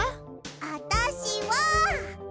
あたしは。